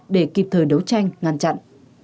để kịp thời đấu tranh ngăn chặn